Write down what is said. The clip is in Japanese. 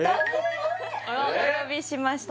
お呼びしました